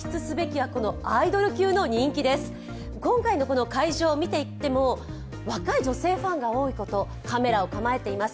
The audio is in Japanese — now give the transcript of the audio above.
今回の会場を見ていっても若い女性ファンが多いこと、カメラを構えています。